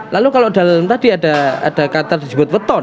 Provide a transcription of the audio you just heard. lalu kalau dalam tadi ada kata disebut weton